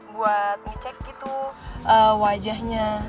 buat ngecek gitu wajahnya